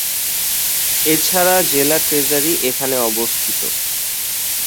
এছাড়া জেলা ট্রেজারি এখানে অবস্থিত।